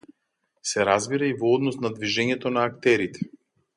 Се разбира, и во однос на движењето на актерите.